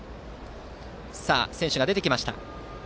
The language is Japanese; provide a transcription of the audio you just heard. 選手が出てきました。